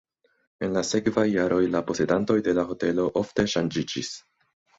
En la sekvaj jaroj la posedantoj de la hotelo ofte ŝanĝiĝis.